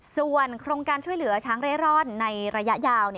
ส่วนโครงการช่วยเหลือช้างเร่ร่อนในระยะยาว